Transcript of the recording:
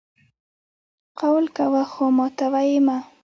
قول کوه خو ماتوه یې مه!